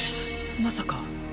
まさか。